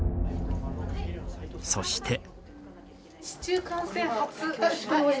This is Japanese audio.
そして。